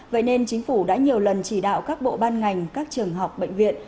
vậy nên chính phủ đã nhiều lần chỉ đạo các bộ ban ngành các trường học bệnh viện